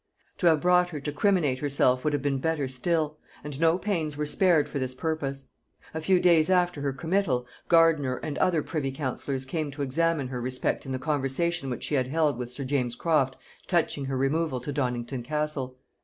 To have brought her to criminate herself would have been better still; and no pains were spared for this purpose. A few days after her committal, Gardiner and other privy councillors came to examine her respecting the conversation which she had held with sir James Croft touching her removal to Donnington Castle.